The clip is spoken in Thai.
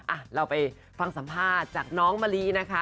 อ่ะเราไปฟังสัมภาษณ์จากน้องมะลินะคะ